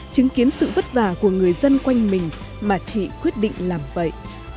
chứng kiến sự vất vả của người dân quanh mình mà chị quyết định làm vậy